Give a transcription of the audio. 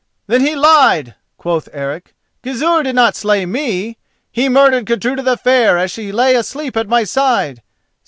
"Then he lied," quoth Eric. "Gizur did not slay me—he murdered Gudruda the Fair as she lay asleep at my side.